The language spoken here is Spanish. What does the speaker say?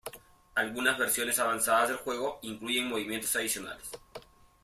Algunas versiones avanzadas del juego incluyen movimientos adicionales.